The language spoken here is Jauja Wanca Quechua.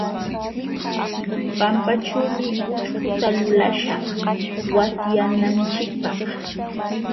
Pampaćhuumi ućhkuta lulaśhaq watyananchikpaq.